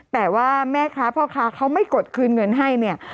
แต่ว่าแม่ค้าพ่อค้าเขาไม่กดคืนเงินให้เนี่ย